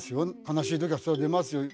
悲しいときはそりゃ出ますよ。